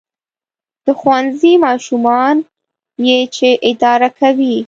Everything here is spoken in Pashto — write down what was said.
• د ښوونځي ماشومان یې چې اداره کوي.